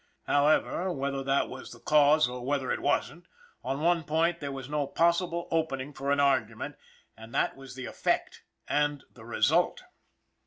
However, whether that was the cause or whether it wasn't, on one point there was no possible opening for an argument and that was the effect and the result.